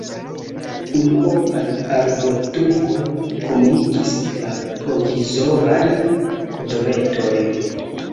Unuopaj arbotrunkoj komunikis la provizorajn dometojn.